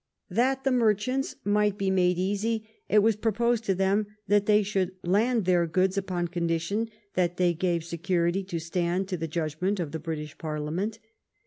" That the merchants might be made easy, it was proposed to them that they should land their goods upon condition that they gave security to stand to the judgment of the British Parliament.